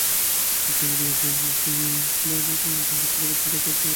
তাঁর লেখার বাইরে তাঁর সঙ্গে কথাবার্তায় ঢাকা সম্বন্ধে অনেক তথ্য জানতে পারি।